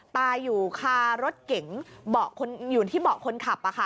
ตายอยู่คารถเก๋งอยู่ที่เบาะคนขับ